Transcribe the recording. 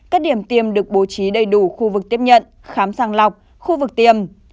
các điểm tiêm được bố trí đầy đủ khu vực tiếp nhận khám sàng lọc khu vực tiềm